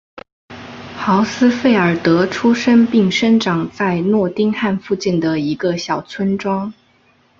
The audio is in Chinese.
豪斯费尔德出生并生长在诺丁汉附近的一个小村庄。